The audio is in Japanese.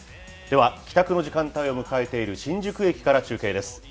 では、帰宅の時間帯を迎えている新宿駅から中継です。